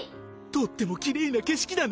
とってもきれいな景色だね。